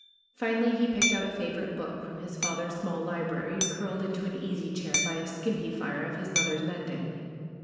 Finally he picked out a favorite book from his father's small library and curled into an easy chair by a skimpy fire of his mother's mending.